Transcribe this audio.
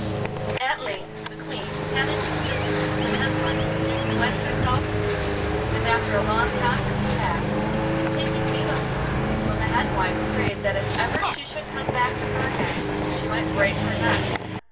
At length the Queen, having some business with the hen wife, went herself to her, and, after a long conference passed, was taking leave of her, when the hen wife prayed that if ever she should come back to her again she might break her neck.